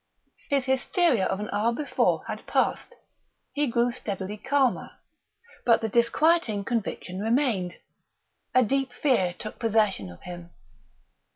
His hysteria of an hour before had passed; he grew steadily calmer; but the disquieting conviction remained. A deep fear took possession of him.